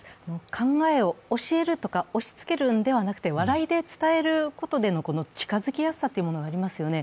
考えを教えるとか押しつけるのではなくて笑いで伝えることでの近づきやすさがありますよね。